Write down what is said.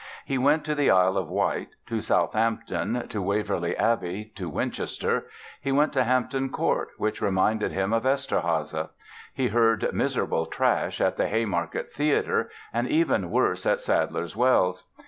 He went to the Isle of Wight, to Southampton, to Waverly Abbey, to Winchester. He went to Hampton Court, which reminded him of Eszterháza. He heard "miserable trash" at the Haymarket Theatre and even worse at Sadler's Wells.